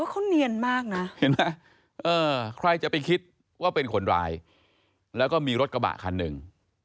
เขาเนียนมากนะเห็นไหมใครจะไปคิดว่าเป็นคนร้ายแล้วก็มีรถกระบะคันหนึ่ง